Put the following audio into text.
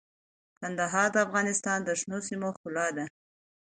کندهار د افغانستان د شنو سیمو ښکلا ده.